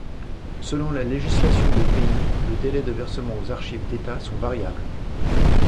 Selon la législation des pays, le délai de versement aux archives d’État sont variables.